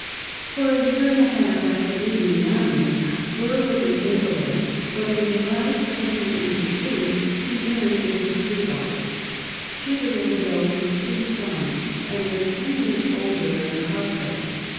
For a year and a half after leaving the army, Burr was an invalid, but in July, [Pg 63]1782, he married Mrs. Prevost. She was a widow with two sons, and was ten years older than her husband.